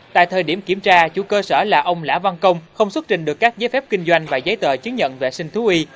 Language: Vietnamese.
tại thời điểm kiểm tra chủ cơ sở là ông lã văn công không xuất trình được các giấy phép kinh doanh và giấy tờ chứng nhận vệ sinh thú y